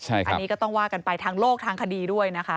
อันนี้ก็ต้องว่ากันไปทางโลกทางคดีด้วยนะคะ